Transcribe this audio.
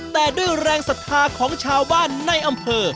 แต่ด้วยแรงศรัทธาของชาวบ้านในอำเภอ